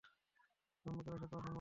সম্মুখে রসদ পাবার সম্ভাবনাও নেই।